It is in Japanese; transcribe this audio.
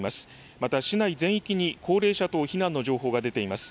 また市内全域に高齢者等避難の情報が出ています。